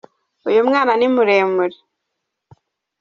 uyumwna nimuremure